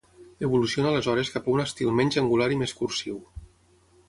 Evoluciona aleshores cap a un estil menys angular i més cursiu.